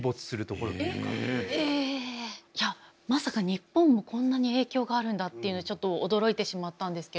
いやまさか日本もこんなに影響があるんだっていうのはちょっと驚いてしまったんですけど。